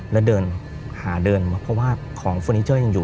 แล้วเดินหาเดินมาเพราะว่าของเฟอร์นิเจอร์ยังอยู่